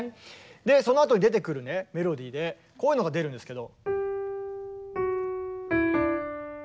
そのあとに出てくるねメロディーでこういうのが出るんですけど。